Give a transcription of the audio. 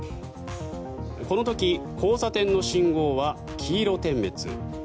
この時、交差点の信号は黄色点滅。